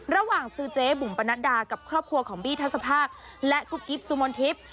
ระหว่างซื้อเจ๊บุ๋มปนัดดากับครอบครัวของบี้ทัศภาคและกุ๊บกิ๊บสุมนทิพย์